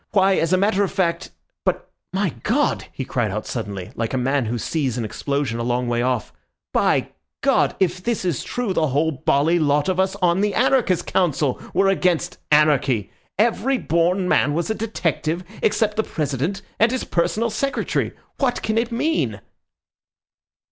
"Why, as a matter of fact—But, my God," he cried out suddenly, like a man who sees an explosion a long way off, "by God! if this is true the whole bally lot of us on the Anarchist Council were against anarchy! Every born man was a detective except the President and his personal secretary. What can it mean?"